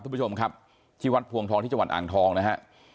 คุณผู้ชมครับที่วัดพวงทองที่จังหวัดอ่างทองนะฮะ